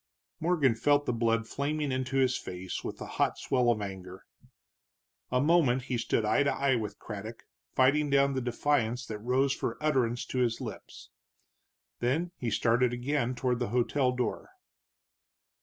Morgan felt the blood flaming into his face with the hot swell of anger. A moment he stood eye to eye with Craddock, fighting down the defiance that rose for utterance to his lips. Then he started again toward the hotel door.